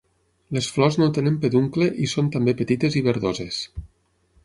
Les flors no tenen peduncle i són també petites i verdoses.